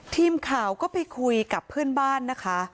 ทีมข่าวก็ไปคุยกับเพื่อนบ้านนะคะ